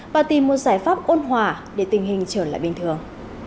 và tìm một giải pháp ôn hòa để tình hình trở lại bình thường